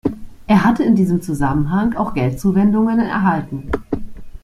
Er hatte in diesem Zusammenhang auch Geldzuwendungen erhalten.